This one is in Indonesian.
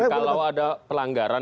kalau ada pelanggaran